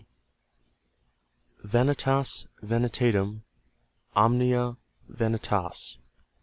VANITAS VANITATUM, OMNIA VANITAS.